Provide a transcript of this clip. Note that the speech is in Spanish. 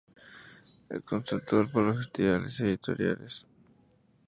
Es consultor por los festivales, editoriales.